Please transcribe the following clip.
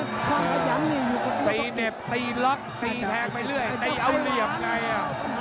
ความพยายามนี่อยู่กับโนโปรกิตตีเด็บตีล็อคตีแทงไปเรื่อยตีเอาเหลี่ยมไงอ่ะ